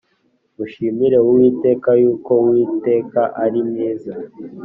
Mushimire uwiteka yuko uwiteka ari mwiza